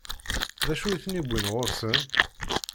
D acu i tent-iwwin ɣur-sen?